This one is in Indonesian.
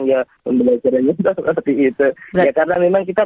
ya karena memang kita